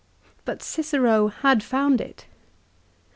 But Cicero had found it.